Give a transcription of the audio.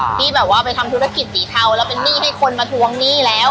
ที่แบบว่าไปทำธุรกิจสีเทาแล้วเป็นหนี้ให้คนมาทวงหนี้แล้ว